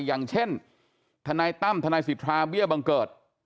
อย่างเช่นธตั้มธศิษย์ภาเบียร์บังเกิด